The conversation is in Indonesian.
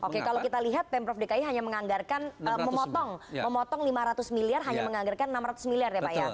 oke kalau kita lihat pemprov dki hanya menganggarkan memotong lima ratus miliar hanya menganggarkan enam ratus miliar ya pak ya